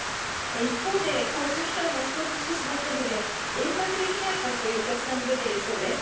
一方で交通機関がストップしてしまったので延泊できないかというお客さんも出ているそうです。